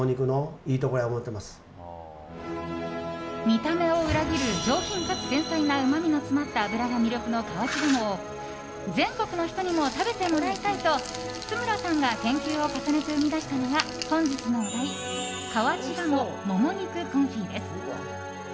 見た目を裏切る上品かつ繊細なうまみが詰まった脂が魅力の河内鴨を、全国の人にも食べてもらいたいと津村さんが研究を重ねて生み出したのが、本日のお題河内鴨もも肉コンフィです。